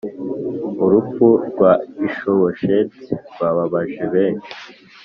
Urupfu rwa Ishibosheti rwababaje beshi